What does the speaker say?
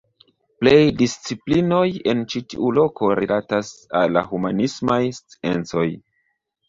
Plej disciplinoj en ĉi tiu loko rilatas al la humanismaj sciencoj.